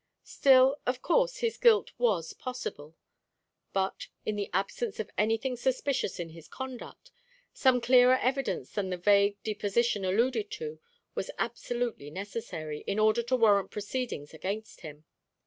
Still, of course, his guilt was possible. But, in the absence of anything suspicious in his conduct, some clearer evidence than the vague deposition alluded to was absolutely necessary, in order to warrant proceedings against him.